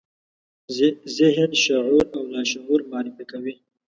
ذهن، شعور او لاشعور معرفي کوي.